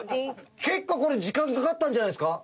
結構これ時間かかったんじゃないですか？